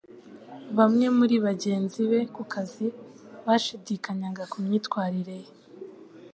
Bamwe muri bagenzi be ku kazi bashidikanyaga ku myitwarire ye